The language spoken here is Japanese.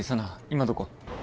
今どこ？